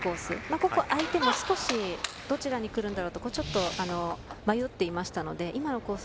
ここは相手も少しどちらにくるんだろうとちょっと、迷っていましたので今のコース